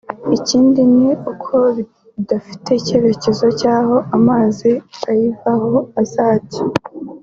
Ikindi ni uko idafite icyerekezo cy’aho amazi ayivaho azajya